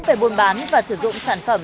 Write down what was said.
về bôn bán và sử dụng sản phẩm